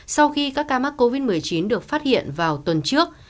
sau khi các ca mắc covid một mươi chín được phát hiện vào tuần trước